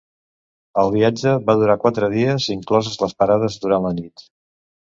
El viatge va durar quatre dies, incloses les parades durant la nit.